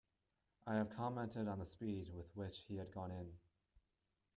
I have commented on the speed with which he had gone in.